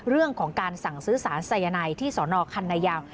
เรื่องของการสั่งซื้อสารสายนายที่สนคันนายาว